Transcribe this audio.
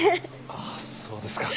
ああそうですか。